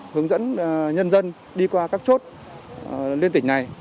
hướng dẫn nhân dân đi qua các chốt liên tỉnh này